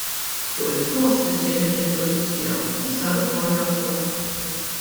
Fuq il-post issejħet il-Pulizija u sar ukoll rapport.